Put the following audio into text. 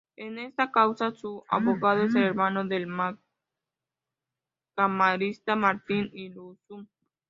En esta causa su abogado es el hermano del camarista Martín Irurzun.